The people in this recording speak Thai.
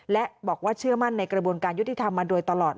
และบอกว่าเชื่อมั่นในกระบวนการยุติธรรมมาโดยตลอด